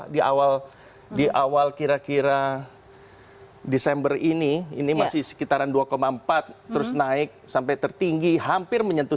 di awal di awal kira kira desember ini ini masih sekitaran dua empat terus naik sampai tertinggi hampir menyentuh tujuh